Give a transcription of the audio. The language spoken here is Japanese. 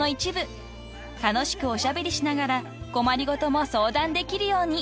［楽しくおしゃべりしながら困りごとも相談できるように］